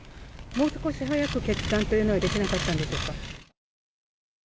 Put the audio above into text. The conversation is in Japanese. もう少し早く決断というのはできなかったんでしょうか。